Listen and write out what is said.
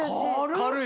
軽い？